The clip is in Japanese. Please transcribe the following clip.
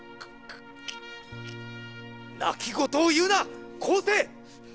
泣き言を言うな昴生！